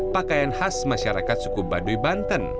pakaian khas masyarakat suku baduy banten